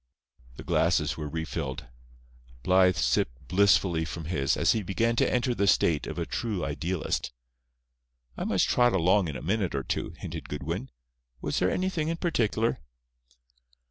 The glasses were refilled. Blythe sipped blissfully from his, as he began to enter the state of a true idealist. "I must trot along in a minute or two," hinted Goodwin. "Was there anything in particular?"